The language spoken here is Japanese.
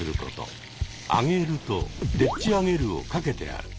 「揚げる」と「でっちあげる」を掛けてある。